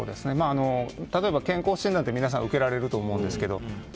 例えば、健康診断って皆さん受けられると思うんですけど